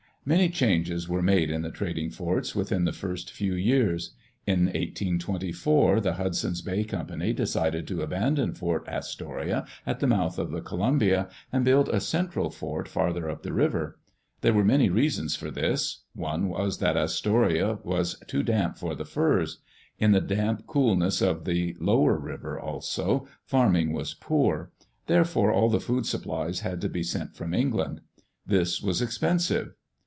Many changes were made in the trading forts within the first few years. In 1824 the Hudson's Bay Company decided to abandon Fort Astoria at the mouth of the Columbia, and build a central fort farther up the river. There were many reasons for this. One was that Astoria was too damp for the furs. In the damp coolness of the lower river, also, farming was poor; therefore all the food supplies had to be sent from England. This was expensive.